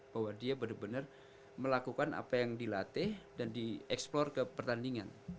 bahwa dia benar benar melakukan apa yang dilatih dan dieksplor ke pertandingan